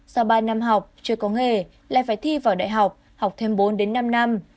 sau ba năm học chưa có nghề lại phải thi vào đại học học thêm bốn đến năm năm